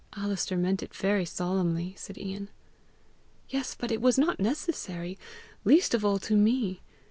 "Alister meant it very solemnly!" said Ian. "Yes; but it was not necessary least of all to me.